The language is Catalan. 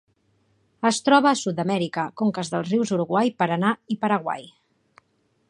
Es troba a Sud-amèrica: conques dels rius Uruguai, Paranà i Paraguai.